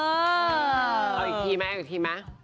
เอาอีกทีไหมเอาอีกทีไหม